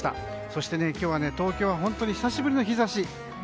そして、今日は東京は久しぶりの日差し。